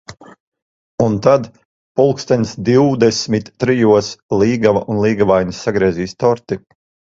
Un tad, pulkstens divdesmit trijos, līgava un līgavainis sagriezīs torti.